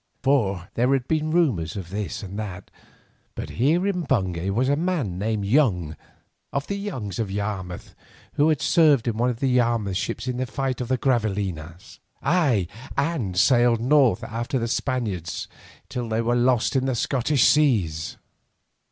Before there had been rumours of this and of that, but here in Bungay was a man named Young, of the Youngs of Yarmouth, who had served in one of the Yarmouth ships in the fight at Gravelines, aye and sailed north after the Spaniards till they were lost in the Scottish seas.